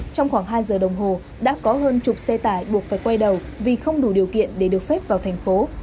trong khoảng hai giờ đồng hồ đã có hơn chục xe tải buộc phải quay đầu vì không đủ điều kiện để được phép vào thành phố